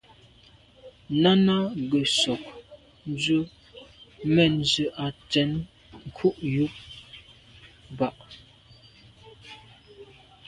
Náná gə̀ sɔ̌k ndzwə́ mɛ̀n zə̄ á tɛ̌n krút jùp bà’.